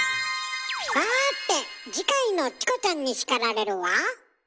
さて次回の「チコちゃんに叱られる」は？